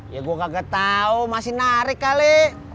ya gue kagak tahu masih narik kali